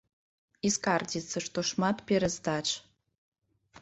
І скардзіцца, што шмат пераздач.